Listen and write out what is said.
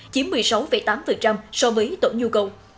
chiếm một mươi sáu tám so với tổn nhu cầu